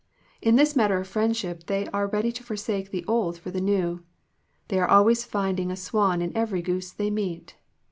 In this matter of friendship they are ready to forsake the old for the new. They are always find ing a swan in every goose they meet.